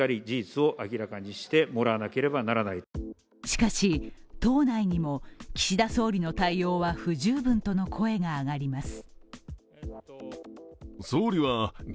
しかし、党内にも岸田総理の対応は不十分との声が上がります。